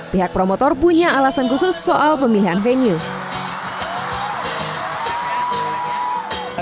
pihak promotor punya alasan khusus soal pemilihan venue